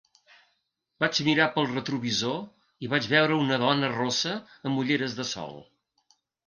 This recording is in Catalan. Vaig mirar pel retrovisor i vaig veure una dona rossa amb ulleres de sol.